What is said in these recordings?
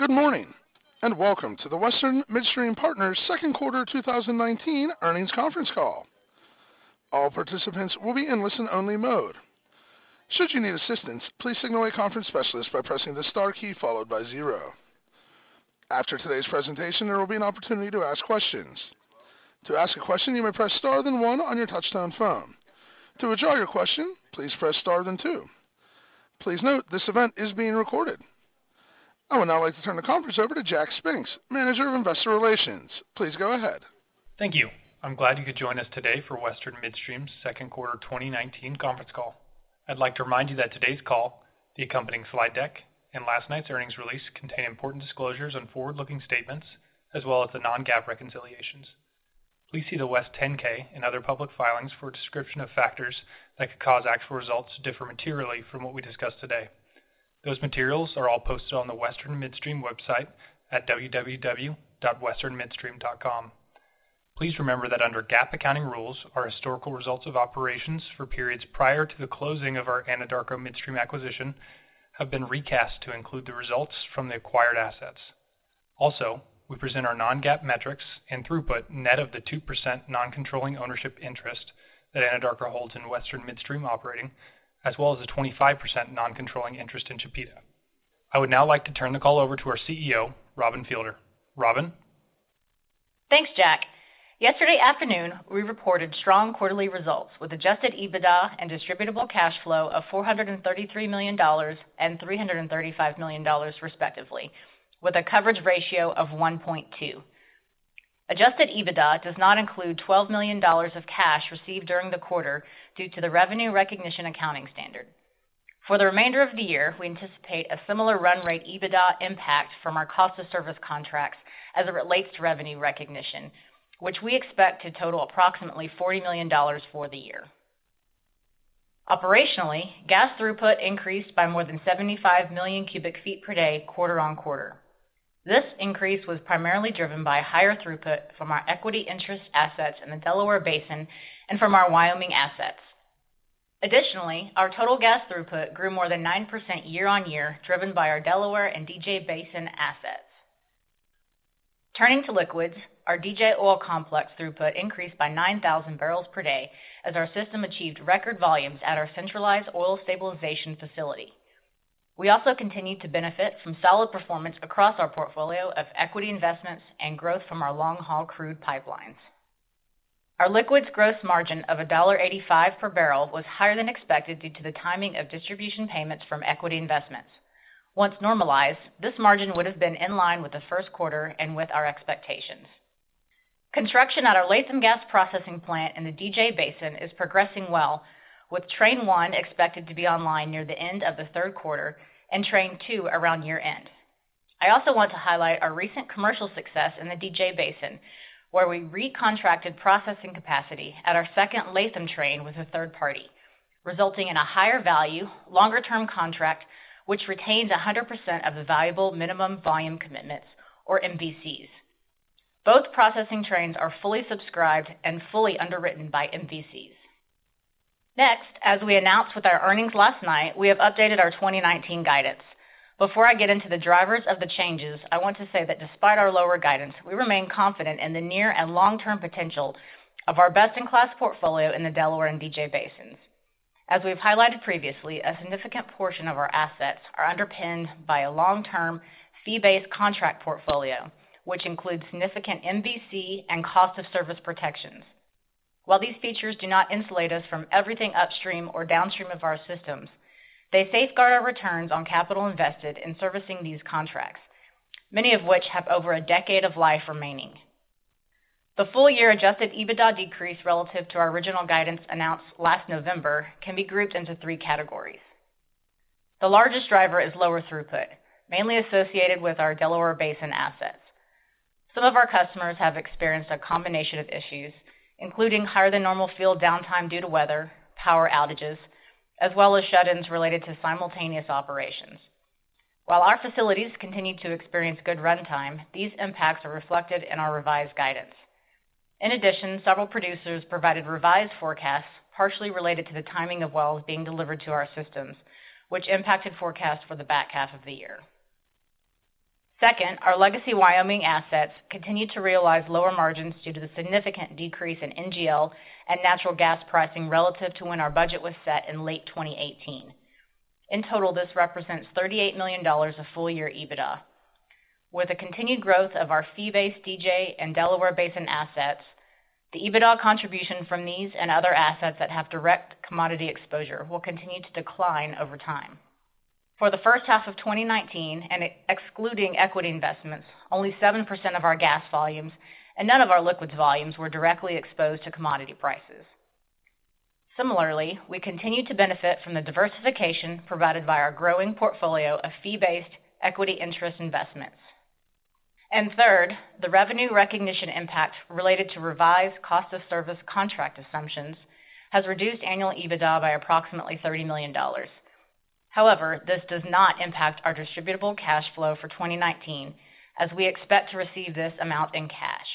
Good morning, welcome to the Western Midstream Partners' second quarter 2019 earnings conference call. All participants will be in listen-only mode. Should you need assistance, please signal a conference specialist by pressing the star key followed by zero. After today's presentation, there will be an opportunity to ask questions. To ask a question, you may press star, then one on your touch-tone phone. To withdraw your question, please press star, then two. Please note, this event is being recorded. I would now like to turn the conference over to Jack Spinks, Manager of Investor Relations. Please go ahead. Thank you. I'm glad you could join us today for Western Midstream's second quarter 2019 conference call. I'd like to remind you that today's call, the accompanying slide deck, and last night's earnings release contain important disclosures on forward-looking statements as well as the non-GAAP reconciliations. Please see the WES 10-K and other public filings for a description of factors that could cause actual results to differ materially from what we discuss today. Those materials are all posted on the Western Midstream website at www.westernmidstream.com. Please remember that under GAAP accounting rules, our historical results of operations for periods prior to the closing of our Anadarko Midstream acquisition have been recast to include the results from the acquired assets. Also, we present our non-GAAP metrics and throughput net of the 2% non-controlling ownership interest that Anadarko holds in Western Midstream Operating, as well as a 25% non-controlling interest in Chipeta. I would now like to turn the call over to our CEO, Robin Fielder. Robin? Thanks, Jack. Yesterday afternoon, we reported strong quarterly results with adjusted EBITDA and distributable cash flow of $433 million and $335 million respectively, with a coverage ratio of 1.2. Adjusted EBITDA does not include $12 million of cash received during the quarter due to the revenue recognition accounting standard. For the remainder of the year, we anticipate a similar run rate EBITDA impact from our cost of service contracts as it relates to revenue recognition, which we expect to total approximately $40 million for the year. Operationally, gas throughput increased by more than 75 million cubic feet per day quarter-on-quarter. This increase was primarily driven by higher throughput from our equity interest assets in the Delaware Basin and from our Wyoming assets. Additionally, our total gas throughput grew more than 9% year-on-year, driven by our Delaware and DJ Basin assets. Turning to liquids, our DJ Oil complex throughput increased by 9,000 barrels per day as our system achieved record volumes at our centralized oil stabilization facility. We also continued to benefit from solid performance across our portfolio of equity investments and growth from our long-haul crude pipelines. Our liquids gross margin of $1.85 per barrel was higher than expected due to the timing of distribution payments from equity investments. Once normalized, this margin would have been in line with the first quarter and with our expectations. Construction at our Latham Gas Processing Plant in the DJ Basin is progressing well, with Train One expected to be online near the end of the third quarter and Train Two around year-end. I also want to highlight our recent commercial success in the DJ Basin, where we recontracted processing capacity at our second Latham train with a third party, resulting in a higher value, longer-term contract, which retains 100% of the valuable minimum volume commitments, or MVCs. Both processing trains are fully subscribed and fully underwritten by MVCs. Next, as we announced with our earnings last night, we have updated our 2019 guidance. Before I get into the drivers of the changes, I want to say that despite our lower guidance, we remain confident in the near and long-term potential of our best-in-class portfolio in the Delaware and DJ Basins. As we've highlighted previously, a significant portion of our assets are underpinned by a long-term fee-based contract portfolio, which includes significant MVC and cost of service protections. While these features do not insulate us from everything upstream or downstream of our systems, they safeguard our returns on capital invested in servicing these contracts, many of which have over a decade of life remaining. The full-year adjusted EBITDA decrease relative to our original guidance announced last November can be grouped into three categories. The largest driver is lower throughput, mainly associated with our Delaware Basin assets. Some of our customers have experienced a combination of issues, including higher than normal field downtime due to weather, power outages, as well as shut-ins related to simultaneous operations. While our facilities continue to experience good runtime, these impacts are reflected in our revised guidance. In addition, several producers provided revised forecasts partially related to the timing of wells being delivered to our systems, which impacted forecasts for the back half of the year. Second, our legacy Wyoming assets continued to realize lower margins due to the significant decrease in NGL and natural gas pricing relative to when our budget was set in late 2018. In total, this represents $38 million of full-year EBITDA. With the continued growth of our fee-based DJ and Delaware Basin assets, the EBITDA contribution from these and other assets that have direct commodity exposure will continue to decline over time. For the first half of 2019, and excluding equity investments, only 7% of our gas volumes and none of our liquids volumes were directly exposed to commodity prices. Similarly, we continued to benefit from the diversification provided by our growing portfolio of fee-based equity interest investments. Third, the revenue recognition impact related to revised cost of service contract assumptions has reduced annual EBITDA by approximately $30 million. This does not impact our distributable cash flow for 2019, as we expect to receive this amount in cash.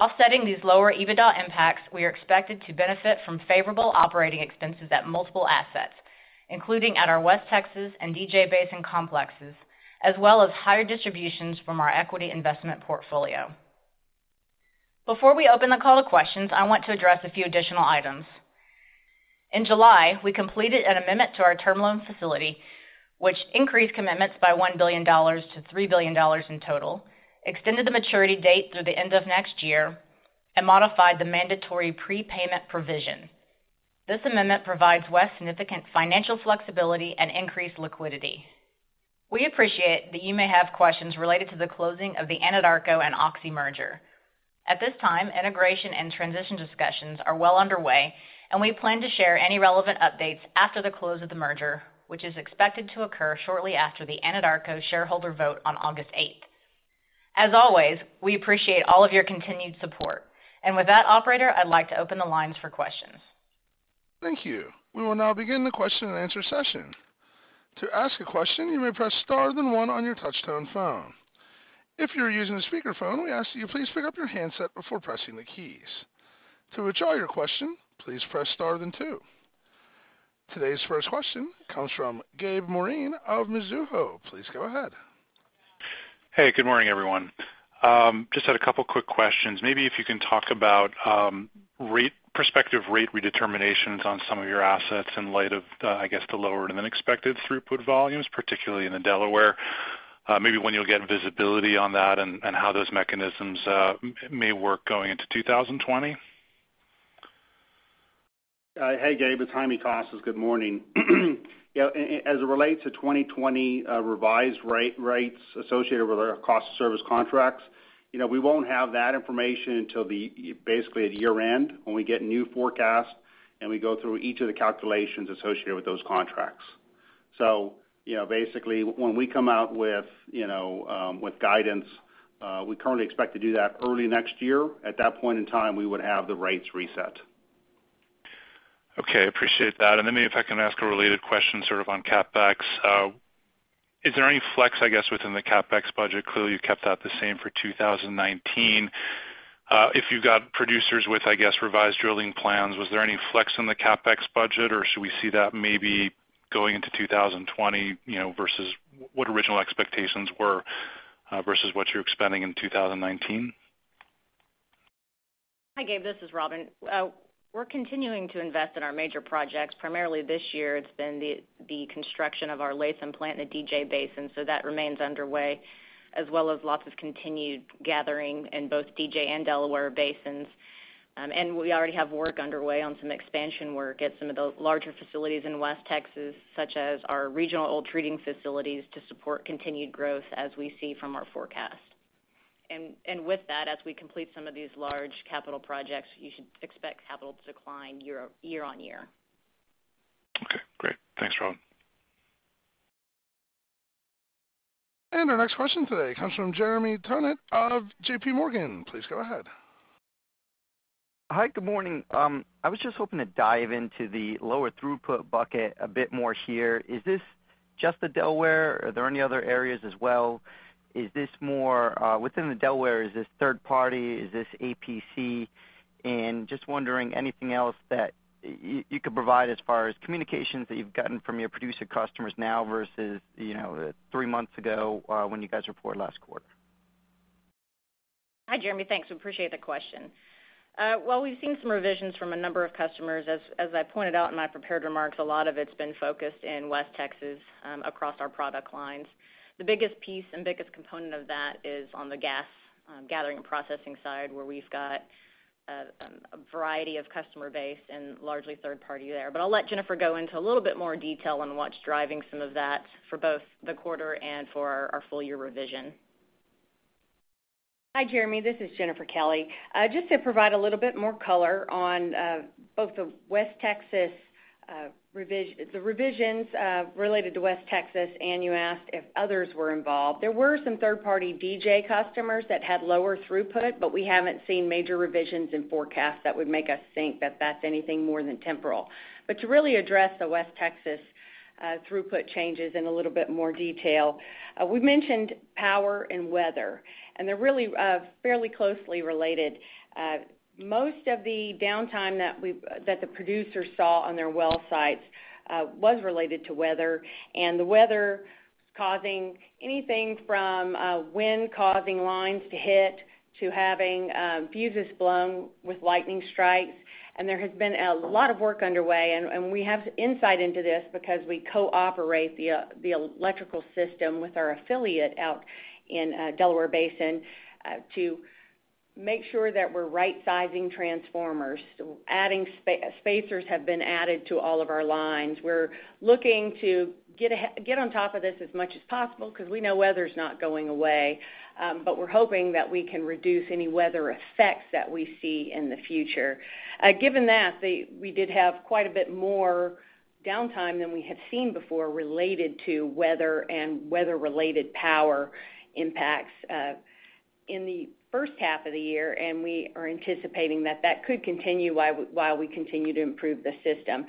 Offsetting these lower EBITDA impacts, we are expected to benefit from favorable operating expenses at multiple assets, including at our WES and DJ Basin complexes, as well as higher distributions from our equity investment portfolio. Before we open the call to questions, I want to address a few additional items. In July, we completed an amendment to our term loan facility, which increased commitments by $1 billion to $3 billion in total, extended the maturity date through the end of next year, and modified the mandatory prepayment provision. This amendment provides WES significant financial flexibility and increased liquidity. We appreciate that you may have questions related to the closing of the Anadarko and Oxy merger. At this time, integration and transition discussions are well underway, and we plan to share any relevant updates after the close of the merger, which is expected to occur shortly after the Anadarko shareholder vote on August 8th. As always, we appreciate all of your continued support. With that, operator, I'd like to open the lines for questions. Thank you. We will now begin the question and answer session. To ask a question, you may press star then one on your touch-tone phone. If you're using a speakerphone, we ask that you please pick up your handset before pressing the keys. To withdraw your question, please press star then two. Today's first question comes from Gabe Moreen of Mizuho. Please go ahead. Hey, good morning, everyone. Just had a couple quick questions. Maybe if you can talk about prospective rate redeterminations on some of your assets in light of, I guess, the lower than expected throughput volumes, particularly in the Delaware. Maybe when you'll get visibility on that and how those mechanisms may work going into 2020. Hey, Gabe, it's Jaime Casas. Good morning. As it relates to 2020 revised rates associated with our cost of service contracts, we won't have that information until basically at year-end when we get new forecasts and we go through each of the calculations associated with those contracts. Basically, when we come out with guidance, we currently expect to do that early next year. At that point in time, we would have the rates reset. Okay. Appreciate that. Maybe if I can ask a related question sort of on CapEx. Is there any flex, I guess, within the CapEx budget? Clearly, you've kept that the same for 2019. If you've got producers with, I guess, revised drilling plans, was there any flex in the CapEx budget, or should we see that maybe going into 2020 versus what original expectations were versus what you're expecting in 2019? Hi, Gabe. This is Robin. We're continuing to invest in our major projects. Primarily this year it's been the construction of our Latham plant in the DJ Basin, that remains underway, as well as lots of continued gathering in both DJ and Delaware basins. We already have work underway on some expansion work at some of the larger facilities in WES Texas, such as our regional oil treating facilities to support continued growth as we see from our forecast. With that, as we complete some of these large capital projects, you should expect capital to decline year on year. Okay, great. Thanks, Robin. Our next question today comes from Jeremy Tonet of JPMorgan. Please go ahead. Hi. Good morning. I was just hoping to dive into the lower throughput bucket a bit more here. Is this just the Delaware? Are there any other areas as well? Within the Delaware, is this third party? Is this APC? Just wondering anything else that you could provide as far as communications that you've gotten from your producer customers now versus 3 months ago when you guys reported last quarter. Hi, Jeremy. Thanks. We appreciate the question. While we've seen some revisions from a number of customers, as I pointed out in my prepared remarks, a lot of it's been focused in WES Texas across our product lines. The biggest piece and biggest component of that is on the gas gathering and processing side, where we've got a variety of customer base and largely third party there. I'll let Gennifer go into a little bit more detail on what's driving some of that for both the quarter and for our full-year revision. Hi, Jeremy. This is Gennifer Kelly. Just to provide a little bit more color on both the revisions related to WES Texas, and you asked if others were involved. There were some third-party DJ customers that had lower throughput, but we haven't seen major revisions in forecasts that would make us think that that's anything more than temporal. To really address the WES Texas throughput changes in a little bit more detail, we mentioned power and weather, and they're really fairly closely related. Most of the downtime that the producers saw on their well sites was related to weather and the weather causing anything from wind causing lines to hit, to having fuses blown with lightning strikes. There has been a lot of work underway, and we have insight into this because we co-operate the electrical system with our affiliate out in Delaware Basin to make sure that we're right-sizing transformers. Spacers have been added to all of our lines. We're looking to get on top of this as much as possible because we know weather's not going away. We're hoping that we can reduce any weather effects that we see in the future. Given that, we did have quite a bit more downtime than we had seen before related to weather and weather-related power impacts in the first half of the year, and we are anticipating that that could continue while we continue to improve the system.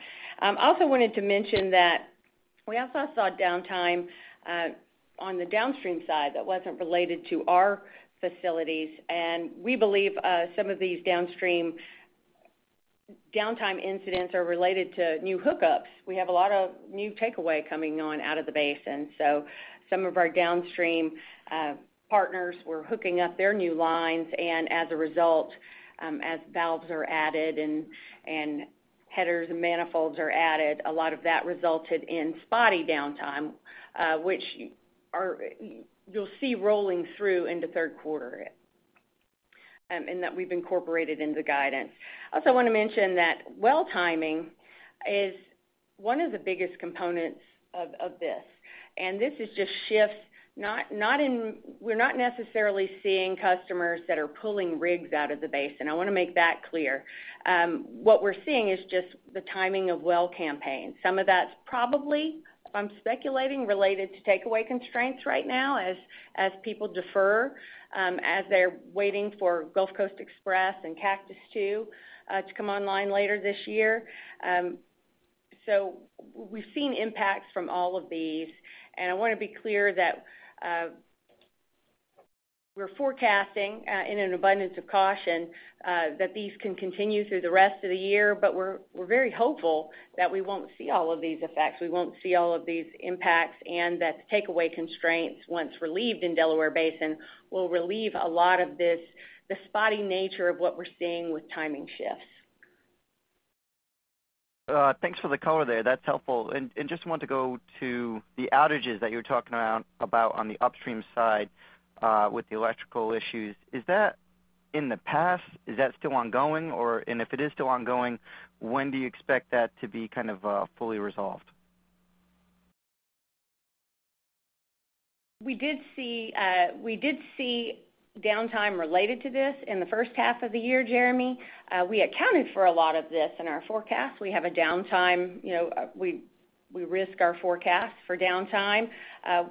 We also saw downtime on the downstream side that wasn't related to our facilities, and we believe some of these downstream downtime incidents are related to new hookups. We have a lot of new takeaway coming on out of the basin. Some of our downstream partners were hooking up their new lines, and as a result, as valves are added and headers and manifolds are added, a lot of that resulted in spotty downtime, which you'll see rolling through into third quarter and that we've incorporated into guidance. Want to mention that well timing is one of the biggest components of this, and this is just shifts. We're not necessarily seeing customers that are pulling rigs out of the basin. I want to make that clear. What we're seeing is just the timing of well campaigns. Some of that's probably, if I'm speculating, related to takeaway constraints right now as people defer, as they're waiting for Gulf Coast Express and Cactus II to come online later this year. We've seen impacts from all of these, and I want to be clear that we're forecasting in an abundance of caution that these can continue through the rest of the year. We're very hopeful that we won't see all of these effects, we won't see all of these impacts, and that the takeaway constraints, once relieved in Delaware Basin, will relieve a lot of this, the spotty nature of what we're seeing with timing shifts. Thanks for the color there. That's helpful. Just want to go to the outages that you were talking about on the upstream side with the electrical issues. Is that in the past? Is that still ongoing? If it is still ongoing, when do you expect that to be kind of fully resolved? We did see downtime related to this in the first half of the year, Jeremy. We accounted for a lot of this in our forecast. We risk our forecast for downtime.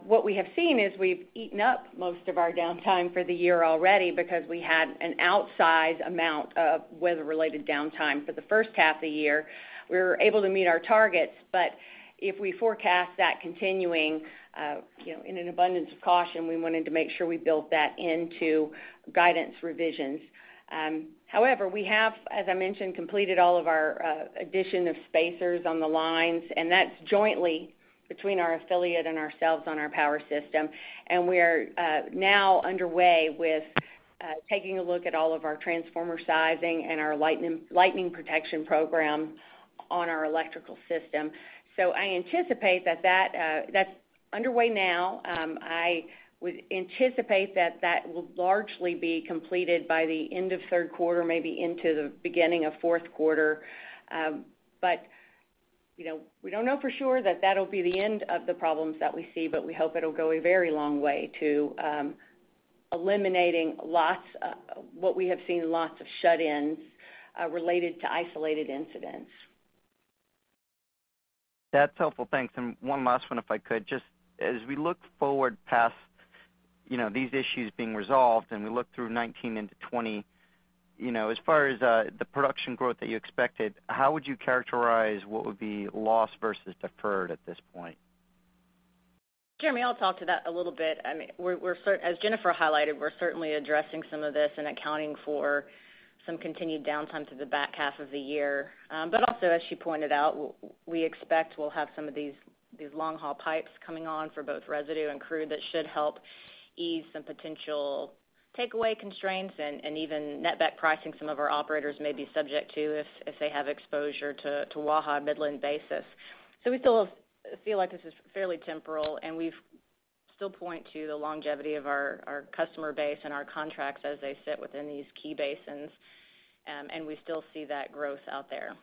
What we have seen is we've eaten up most of our downtime for the year already because we had an outsized amount of weather-related downtime for the first half of the year. We were able to meet our targets. If we forecast that continuing, in an abundance of caution, we wanted to make sure we built that into guidance revisions. However, we have, as I mentioned, completed all of our addition of spacers on the lines, and that's jointly between our affiliate and ourselves on our power system. We are now underway with taking a look at all of our transformer sizing and our lightning protection program on our electrical system. That's underway now. I would anticipate that that will largely be completed by the end of third quarter, maybe into the beginning of fourth quarter. We don't know for sure that that'll be the end of the problems that we see, but we hope it'll go a very long way to eliminating what we have seen, lots of shut-ins related to isolated incidents. That's helpful. Thanks. One last one, if I could. Just as we look forward past these issues being resolved, and we look through 2019 into 2020, as far as the production growth that you expected, how would you characterize what would be lost versus deferred at this point? Jeremy, I'll talk to that a little bit. As Gennifer highlighted, we're certainly addressing some of this and accounting for some continued downtime through the back half of the year. Also, as she pointed out, we expect we'll have some of these long-haul pipes coming on for both residue and crude that should help ease some potential takeaway constraints and even net back pricing some of our operators may be subject to if they have exposure to Waha Midland basis. We still feel like this is fairly temporal, and we still point to the longevity of our customer base and our contracts as they sit within these key basins, and we still see that growth out there.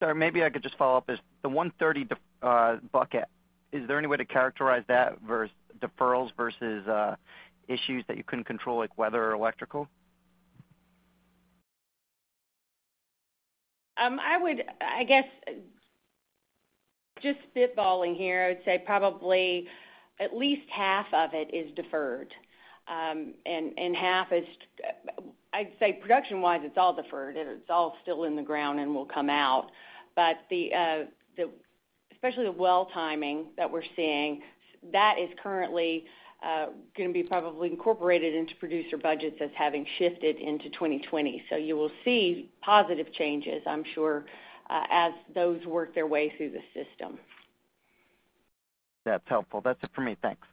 Sorry. Maybe I could just follow up. The 130 bucket, is there any way to characterize that deferrals versus issues that you couldn't control, like weather or electrical? I guess, just spitballing here, I would say probably at least half of it is deferred. I'd say production-wise, it's all deferred, and it's all still in the ground and will come out. Especially the well timing that we're seeing, that is currently going to be probably incorporated into producer budgets as having shifted into 2020. You will see positive changes, I'm sure, as those work their way through the system. That's helpful. That's it for me. Thanks.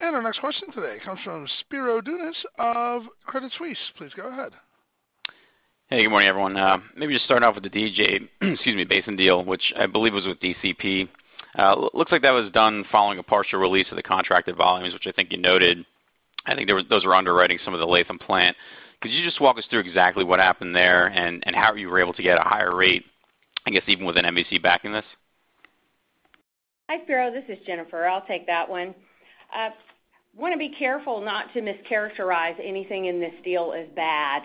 Our next question today comes from Spiro Dounis of Credit Suisse. Please go ahead. Hey, good morning, everyone. Maybe just start off with the DJ Basin, excuse me, deal, which I believe was with DCP. Looks like that was done following a partial release of the contracted volumes, which I think you noted. I think those were underwriting some of the Latham plant. Could you just walk us through exactly what happened there and how you were able to get a higher rate, I guess, even with an MVC backing this? Hi, Spiro. This is Gennifer. I'll take that one. Want to be careful not to mischaracterize anything in this deal as bad.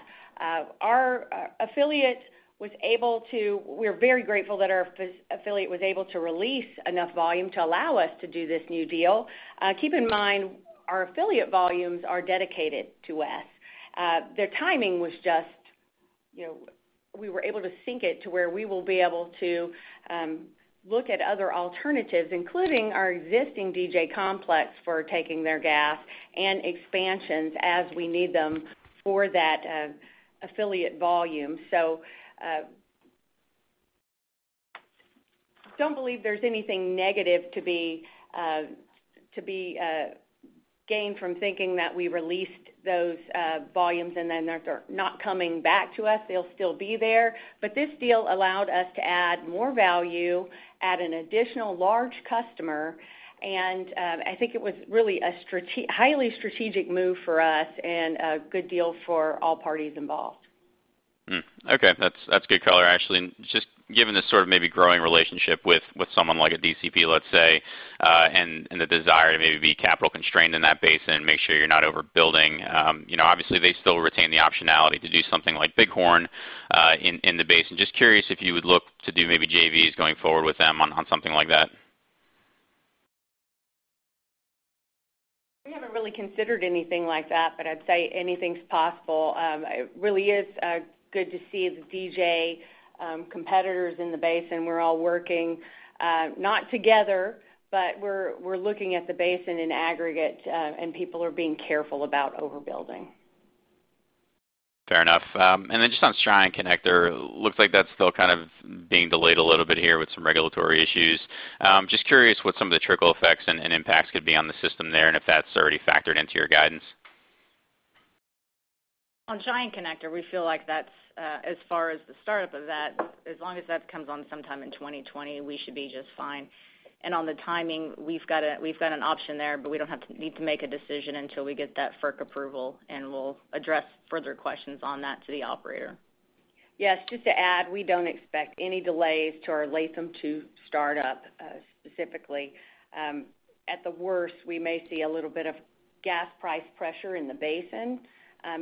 We're very grateful that our affiliate was able to release enough volume to allow us to do this new deal. Keep in mind, our affiliate volumes are dedicated to us. The timing was just, we were able to sync it to where we will be able to look at other alternatives, including our existing DJ complex for taking their gas and expansions as we need them for that affiliate volume. Don't believe there's anything negative to be gained from thinking that we released those volumes and then they're not coming back to us. They'll still be there. This deal allowed us to add more value, add an additional large customer, and I think it was really a highly strategic move for us and a good deal for all parties involved. Okay. That's good color, actually. Just given this sort of maybe growing relationship with someone like a DCP, let's say, and the desire to maybe be capital constrained in that basin, make sure you're not overbuilding. Obviously, they still retain the optionality to do something like Bighorn in the basin. Just curious if you would look to do maybe JVs going forward with them on something like that. We haven't really considered anything like that, but I'd say anything's possible. It really is good to see the DJ competitors in the basin. We're all working, not together, but we're looking at the basin in aggregate, and people are being careful about overbuilding. Fair enough. Then just on Cheyenne Connector, looks like that's still kind of being delayed a little bit here with some regulatory issues. Just curious what some of the trickle effects and impacts could be on the system there, and if that's already factored into your guidance. On Cheyenne Connector, we feel like that's, as far as the startup of that, as long as that comes on sometime in 2020, we should be just fine. On the timing, we've got an option there, but we don't need to make a decision until we get that FERC approval, and we'll address further questions on that to the operator. Yes, just to add, we don't expect any delays to our Latham II startup, specifically. At the worst, we may see a little bit of gas price pressure in the basin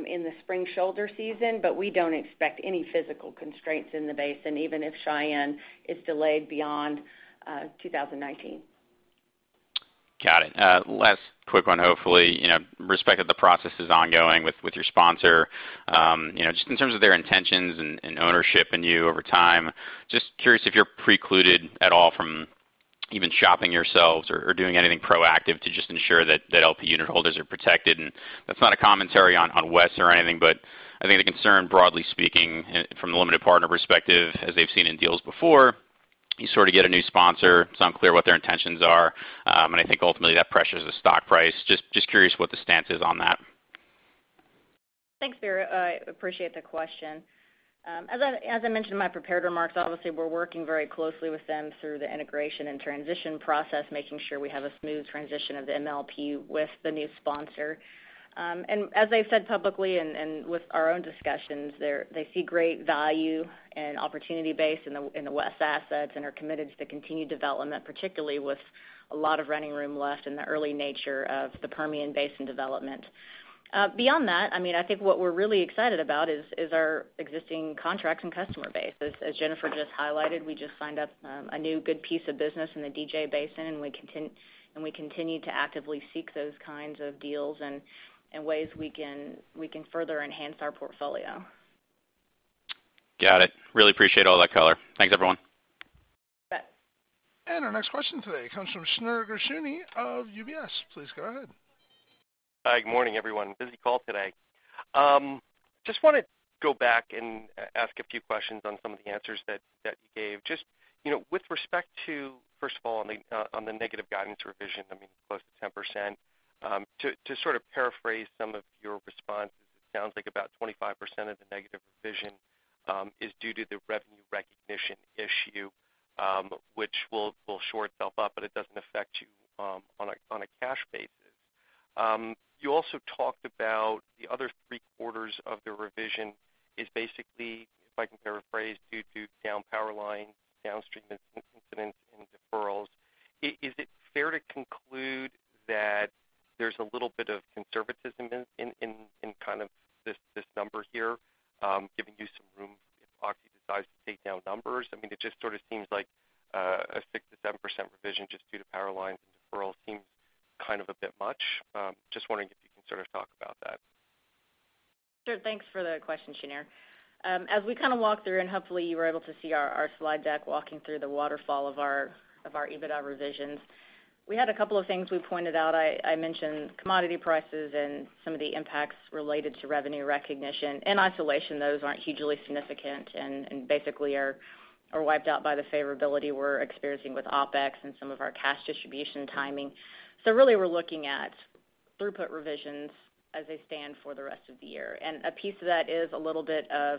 in the spring shoulder season, but we don't expect any physical constraints in the basin, even if Cheyenne is delayed beyond 2019. Got it. Last quick one, hopefully. Respective, the process is ongoing with your sponsor. Just in terms of their intentions and ownership in you over time, just curious if you're precluded at all from even shopping yourselves or doing anything proactive to just ensure that LP unit holders are protected. That's not a commentary on WES or anything, but I think the concern, broadly speaking, from the limited partner perspective, as they've seen in deals before, you sort of get a new sponsor. It's unclear what their intentions are, and I think ultimately that pressures the stock price. Just curious what the stance is on that. Thanks, Spiro. I appreciate the question. As I mentioned in my prepared remarks, obviously, we're working very closely with them through the integration and transition process, making sure we have a smooth transition of the MLP with the new sponsor. As they've said publicly and with our own discussions, they see great value and opportunity base in the WES assets and are committed to continued development, particularly with a lot of running room left in the early nature of the Permian Basin development. Beyond that, I think what we're really excited about is our existing contracts and customer base. As Gennifer just highlighted, we just signed up a new good piece of business in the DJ Basin, and we continue to actively seek those kinds of deals and ways we can further enhance our portfolio. Got it. Really appreciate all that color. Thanks, everyone. You bet. Our next question today comes from Shneur Gershuni of UBS. Please go ahead. Good morning, everyone. Busy call today. Just want to go back and ask a few questions on some of the answers that you gave. Just with respect to, first of all, on the negative guidance revision, close to 10%. To sort of paraphrase some of your responses, it sounds like about 25% of the negative revision is due to the revenue recognition issue, which will short itself up, but it doesn't affect you on a cash basis. You also talked about the other three-quarters of the revision is basically, if I can paraphrase, due to down power line, downstream incidents, and deferrals. Is it fair to conclude that there's a little bit of conservatism in kind of this number here, giving you some room if Oxy decides to take down numbers? It just sort of seems like a 6%-7% revision just due to power lines and deferrals seems kind of a bit much. Just wondering if you can sort of talk about that. Sure. Thanks for the question, Shneur. As we kind of walked through, and hopefully you were able to see our slide deck walking through the waterfall of our EBITDA revisions. We had a couple of things we pointed out. I mentioned commodity prices and some of the impacts related to revenue recognition. In isolation, those aren't hugely significant and basically are wiped out by the favorability we're experiencing with OpEx and some of our cash distribution timing. Really, we're looking at throughput revisions as they stand for the rest of the year. A piece of that is a little bit of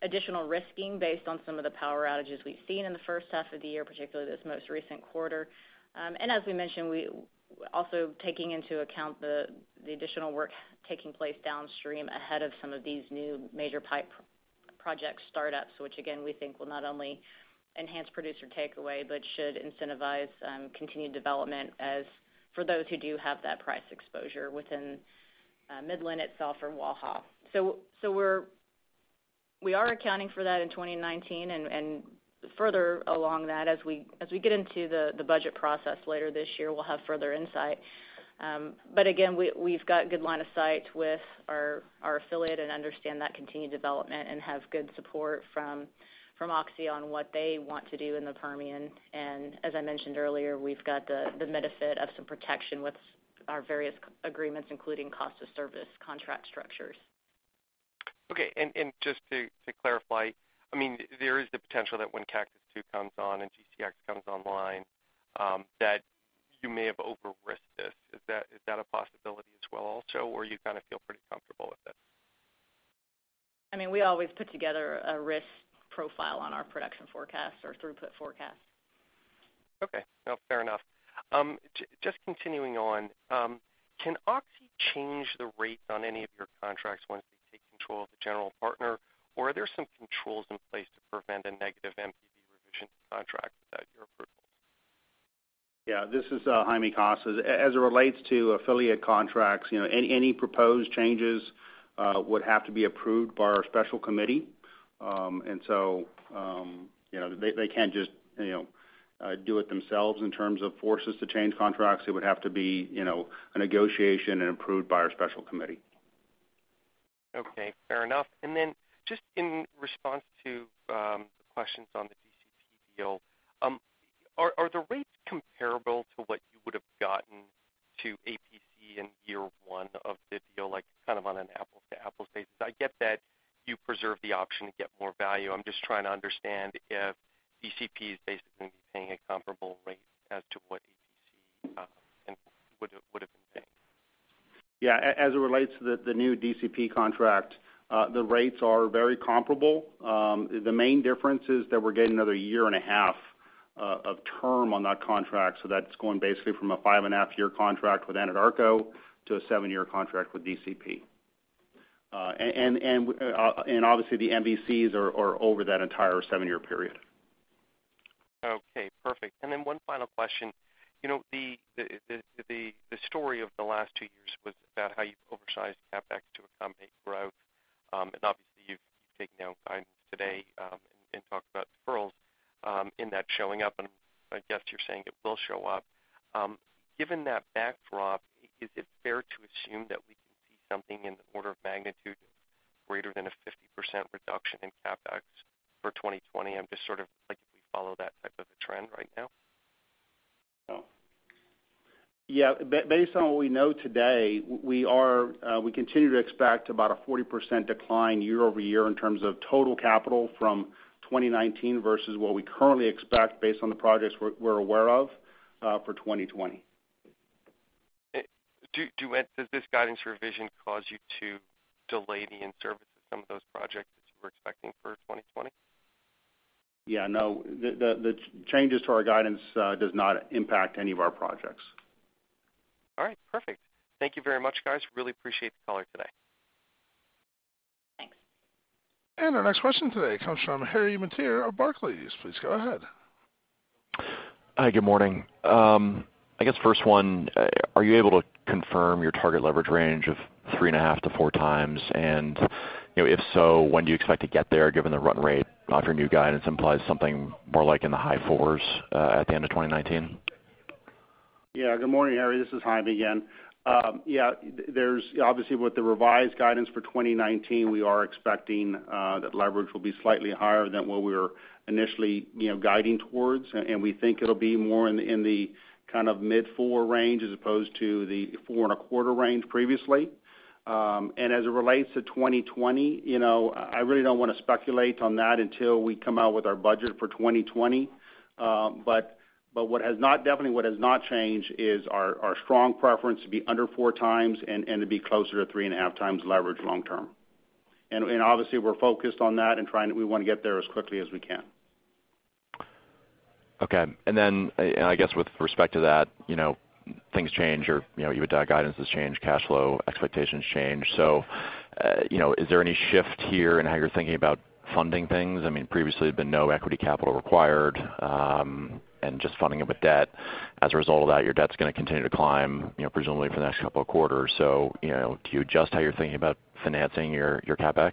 additional risking based on some of the power outages we've seen in the first half of the year, particularly this most recent quarter. As we mentioned, we also taking into account the additional work taking place downstream ahead of some of these new major pipe project startups, which again, we think will not only enhance producer takeaway, but should incentivize continued development as for those who do have that price exposure within Midland itself or Waha. We are accounting for that in 2019. Further along that, as we get into the budget process later this year, we'll have further insight. Again, we've got good line of sight with our affiliate and understand that continued development, and have good support from Oxy on what they want to do in the Permian. As I mentioned earlier, we've got the benefit of some protection with our various agreements, including cost of service contract structures. Okay. Just to clarify, there is the potential that when Cactus II comes on and GCX comes online, that you may have over-risked this. Is that a possibility as well also, or you kind of feel pretty comfortable with it? We always put together a risk profile on our production forecast or throughput forecast. Okay. No, fair enough. Just continuing on. Can Oxy change the rates on any of your contracts once they take control of the general partner, or are there some controls in place to prevent a negative MVC revision to contracts without your approval? This is Jaime Casas. As it relates to affiliate contracts, any proposed changes would have to be approved by our special committee. They can't just do it themselves in terms of force us to change contracts. It would have to be a negotiation and approved by our special committee. Okay, fair enough. Just in response to questions on the DCP deal. Are the rates comparable to what you would have gotten to APC in year one of the deal, like kind of on an apples-to-apples basis? I get that you preserve the option to get more value. I'm just trying to understand if DCP is basically paying a comparable rate as to what APC would have been paying. Yeah. As it relates to the new DCP contract, the rates are very comparable. The main difference is that we're getting another year and a half of term on that contract. That's going basically from a five-and-a-half-year contract with Anadarko to a seven-year contract with DCP. Obviously, the MVCs are over that entire seven-year period. Okay, perfect. One final question. The story of the last two years was about how you've oversized CapEx to accommodate growth. Obviously you've taken out guidance today, and talked about deferrals in that showing up, and I guess you're saying it will show up. Given that backdrop, is it fair to assume that we can see something in the order of magnitude greater than a 50% reduction in CapEx for 2020? I'm just sort of like if we follow that type of a trend right now. Based on what we know today, we continue to expect about a 40% decline year-over-year in terms of total capital from 2019 versus what we currently expect based on the projects we're aware of for 2020. Does this guidance revision cause you to delay the in-service of some of those projects that you were expecting for 2020? Yeah, no. The changes to our guidance does not impact any of our projects. All right, perfect. Thank you very much, guys. Really appreciate the call today. Thanks. Our next question today comes from Harry Mateer of Barclays. Please go ahead. Hi, good morning. I guess first one, are you able to confirm your target leverage range of three and a half to four times? If so, when do you expect to get there, given the run rate of your new guidance implies something more like in the high fours at the end of 2019? Good morning, Harry. This is Jaime again. Obviously with the revised guidance for 2019, we are expecting that leverage will be slightly higher than what we were initially guiding towards, and we think it'll be more in the kind of mid-four range as opposed to the four-and-a-quarter range previously. As it relates to 2020, I really don't want to speculate on that until we come out with our budget for 2020. Definitely what has not changed is our strong preference to be under four times and to be closer to three and a half times leverage long-term. Obviously we're focused on that and we want to get there as quickly as we can. Okay. I guess with respect to that, things change. Guidance has changed, cash flow expectations change. Is there any shift here in how you're thinking about funding things? Previously there had been no equity capital required, and just funding it with debt. As a result of that, your debt's going to continue to climb presumably for the next couple of quarters. Do you adjust how you're thinking about financing your CapEx?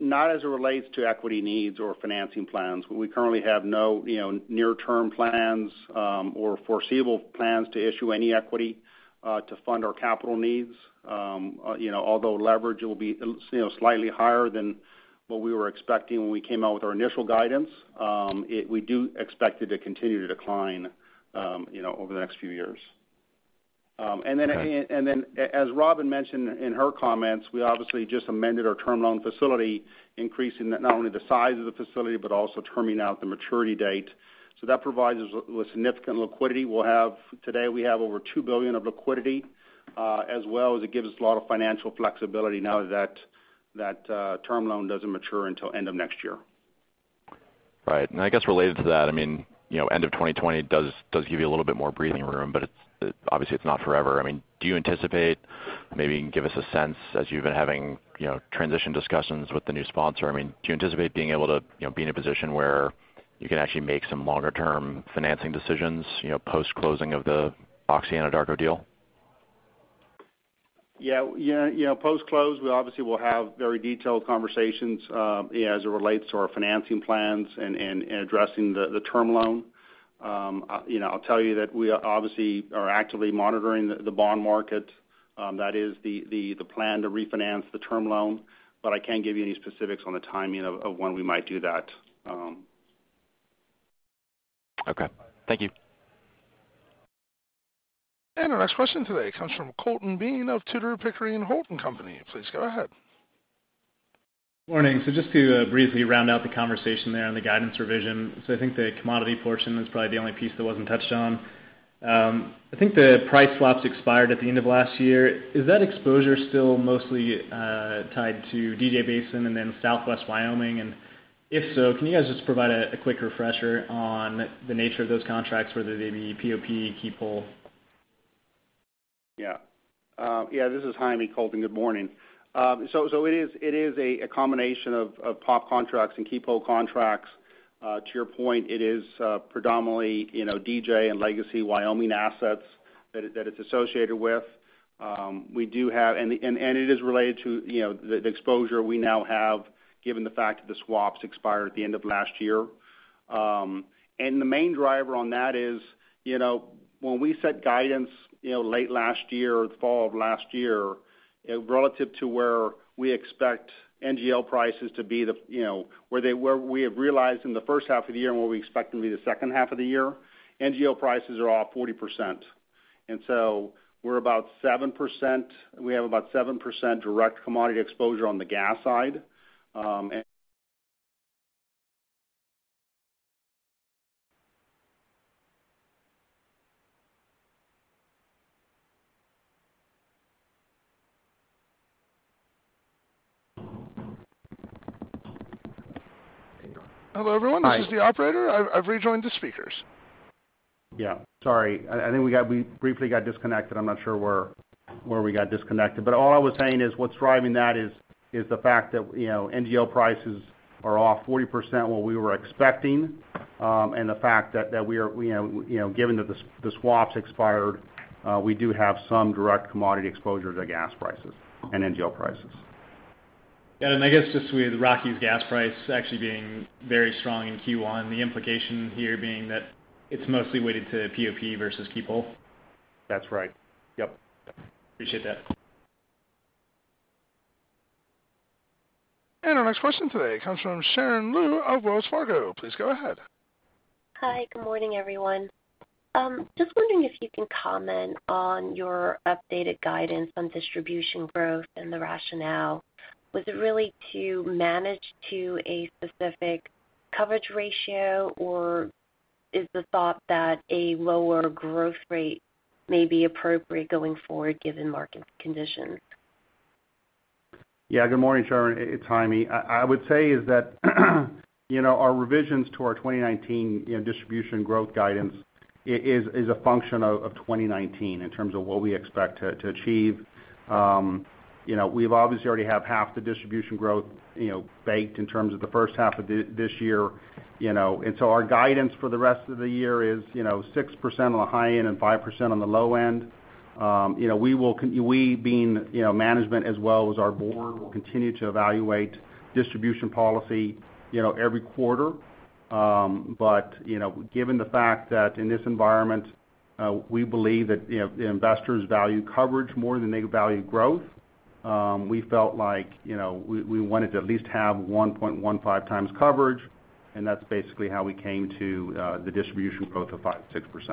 Not as it relates to equity needs or financing plans. We currently have no near-term plans or foreseeable plans to issue any equity to fund our capital needs. Although leverage will be slightly higher than what we were expecting when we came out with our initial guidance, we do expect it to continue to decline over the next few years. Okay. As Robin mentioned in her comments, we obviously just amended our term loan facility, increasing not only the size of the facility but also terming out the maturity date. That provides us with significant liquidity. Today we have over $2 billion of liquidity, as well as it gives us a lot of financial flexibility now that that term loan doesn't mature until end of next year. Right. I guess related to that, end of 2020 does give you a little bit more breathing room, but obviously it's not forever. Do you anticipate, maybe you can give us a sense as you've been having transition discussions with the new sponsor, being able to be in a position where you can actually make some longer-term financing decisions post-closing of the Oxy and Anadarko deal? Yeah. Post-close, we obviously will have very detailed conversations as it relates to our financing plans and addressing the term loan. I'll tell you that we obviously are actively monitoring the bond market. That is the plan to refinance the term loan. I can't give you any specifics on the timing of when we might do that. Okay. Thank you. Our next question today comes from Colton Bean of Tudor, Pickering, Holt & Co. Please go ahead. Morning. Just to briefly round out the conversation there on the guidance revision, I think the commodity portion is probably the only piece that wasn't touched on. I think the price swaps expired at the end of last year. Is that exposure still mostly tied to DJ Basin and then Southwest Wyoming? If so, can you guys just provide a quick refresher on the nature of those contracts, whether they be POP, keep whole? Yeah. This is Jaime, Colton. Good morning. It is a combination of POP contracts and keep whole contracts. To your point, it is predominantly DJ and legacy Wyoming assets that it's associated with. It is related to the exposure we now have given the fact that the swaps expired at the end of last year. The main driver on that is, when we set guidance late last year, the fall of last year, relative to where we expect NGL prices to be, where we have realized in the first half of the year and where we expect to be the second half of the year, NGL prices are off 40%. We have about 7% direct commodity exposure on the gas side. Hello, everyone. Hi. This is the operator. I've rejoined the speakers. Yeah. Sorry. I think we briefly got disconnected. I'm not sure where we got disconnected. All I was saying is what's driving that is the fact that NGL prices are off 40% what we were expecting, and the fact that given that the swaps expired, we do have some direct commodity exposure to gas prices and NGL prices. Got it. I guess just with Rockies gas price actually being very strong in Q1, the implication here being that it's mostly weighted to POP versus keep whole? That's right. Yep. Appreciate that. Our next question today comes from Sharon Liu of Wells Fargo. Please go ahead. Hi. Good morning, everyone. Just wondering if you can comment on your updated guidance on distribution growth and the rationale. Was it really to manage to a specific coverage ratio, or is the thought that a lower growth rate may be appropriate going forward given market conditions? Good morning, Sharon. It's Jaime. I would say is that our revisions to our 2019 distribution growth guidance is a function of 2019 in terms of what we expect to achieve. We obviously already have half the distribution growth baked in terms of the first half of this year. Our guidance for the rest of the year is 6% on the high end and 5% on the low end. We, being management as well as our board, will continue to evaluate distribution policy every quarter. Given the fact that in this environment, we believe that investors value coverage more than they value growth, we felt like we wanted to at least have 1.15 times coverage, and that's basically how we came to the distribution growth of 5%-6%.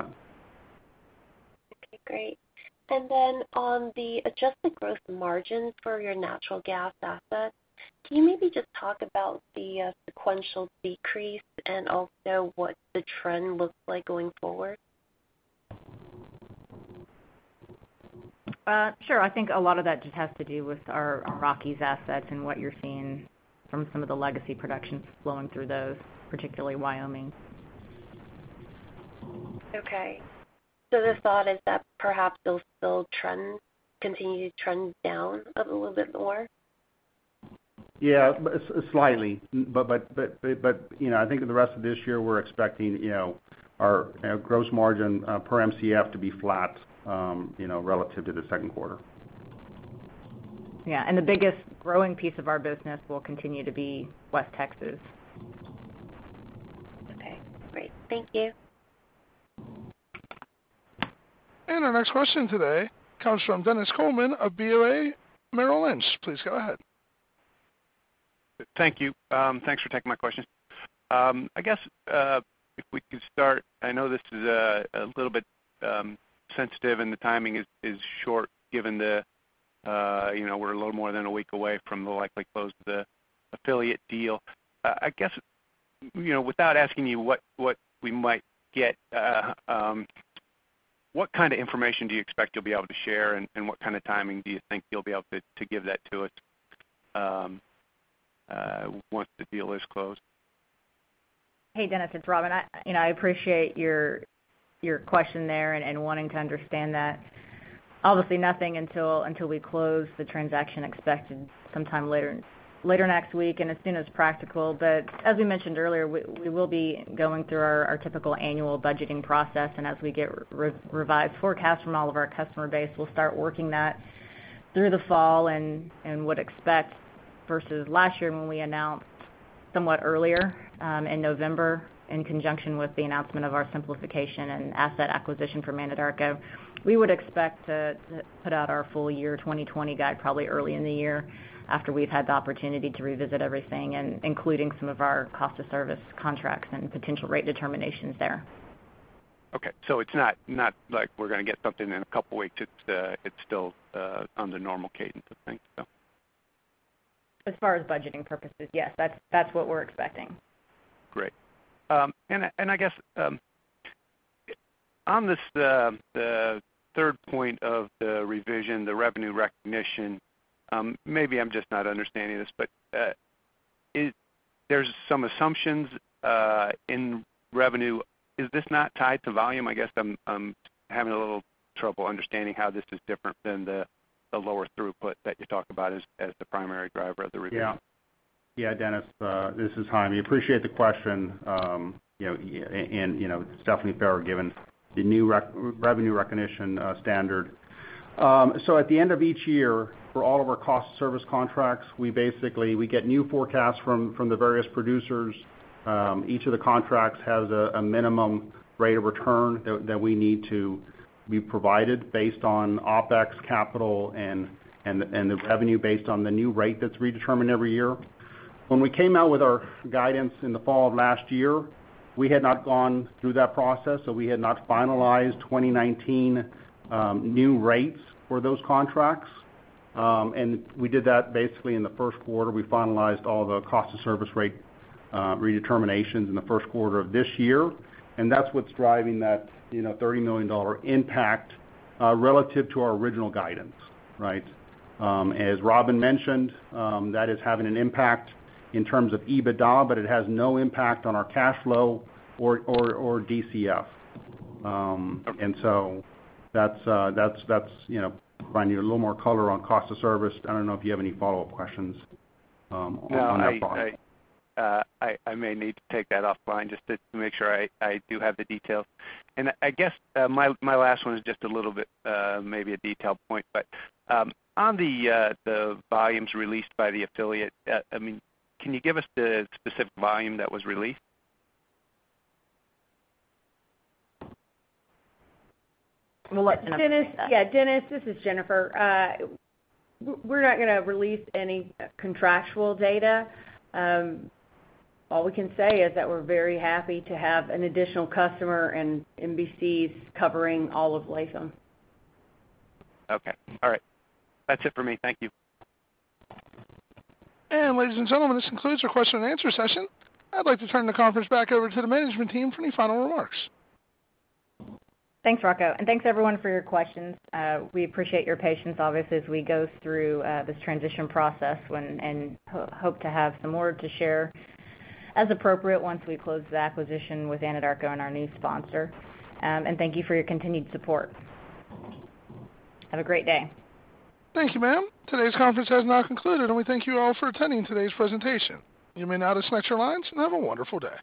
Okay, great. On the adjusted gross margins for your natural gas assets, can you maybe just talk about the sequential decrease and also what the trend looks like going forward? Sure. I think a lot of that just has to do with our Rockies assets and what you're seeing from some of the legacy productions flowing through those, particularly Wyoming. Okay. The thought is that perhaps they'll still continue to trend down a little bit more? Yeah, slightly. I think the rest of this year, we're expecting our gross margin per MCF to be flat relative to the second quarter. Yeah. The biggest growing piece of our business will continue to be WES Texas. Okay, great. Thank you. Our next question today comes from Dennis Coleman of BofA Merrill Lynch. Please go ahead. Thank you. Thanks for taking my questions. I guess if we could start, I know this is a little bit sensitive, and the timing is short given we're a little more than a week away from the likely close of the affiliate deal. I guess without asking you what we might get, what kind of information do you expect you'll be able to share, and what kind of timing do you think you'll be able to give that to us once the deal is closed? Hey, Dennis. It's Robin. I appreciate your question there and wanting to understand that. Obviously, nothing until we close the transaction expected sometime later next week and as soon as practical. As we mentioned earlier, we will be going through our typical annual budgeting process, and as we get revised forecasts from all of our customer base, we'll start working that through the fall and would expect versus last year when we announced somewhat earlier, in November, in conjunction with the announcement of our simplification and asset acquisition for Anadarko. We would expect to put out our full year 2020 guide probably early in the year, after we've had the opportunity to revisit everything, and including some of our cost of service contracts and potential rate determinations there. Okay. It's not like we're going to get something in a couple weeks. It's still on the normal cadence of things. As far as budgeting purposes, yes. That's what we're expecting. Great. I guess, on the third point of the revision, the revenue recognition, maybe I'm just not understanding this, but there's some assumptions in revenue. Is this not tied to volume? I guess I'm having a little trouble understanding how this is different than the lower throughput that you talk about as the primary driver of the revision. Dennis, this is Jaime. Appreciate the question. It's definitely fair given the new revenue recognition standard. At the end of each year, for all of our cost service contracts, we basically get new forecasts from the various producers. Each of the contracts has a minimum rate of return that we need to be provided based on OpEx capital and the revenue based on the new rate that's redetermined every year. When we came out with our guidance in the fall of last year, we had not gone through that process, so we had not finalized 2019 new rates for those contracts. We did that basically in the first quarter. We finalized all the cost of service rate redeterminations in the first quarter of this year, and that's what's driving that $30 million impact relative to our original guidance. Right. As Robin mentioned, that is having an impact in terms of EBITDA, but it has no impact on our cash flow or DCF. Okay. That's providing you a little more color on cost of service. I don't know if you have any follow-up questions on our part. No, I may need to take that offline just to make sure I do have the details. I guess my last one is just a little bit, maybe a detailed point, but on the volumes released by the affiliate, can you give us the specific volume that was released? We'll let Gennifer take that. Dennis, this is Gennifer. We're not going to release any contractual data. All we can say is that we're very happy to have an additional customer, and MVCs covering all of Latham. Okay. All right. That's it for me. Thank you. Ladies and gentlemen, this concludes our question and answer session. I'd like to turn the conference back over to the management team for any final remarks. Thanks, Rocco, and thanks everyone for your questions. We appreciate your patience obviously as we go through this transition process and hope to have some more to share as appropriate once we close the acquisition with Anadarko and our new sponsor. Thank you for your continued support. Have a great day. Thank you, ma'am. Today's conference has now concluded, and we thank you all for attending today's presentation. You may now disconnect your lines and have a wonderful day.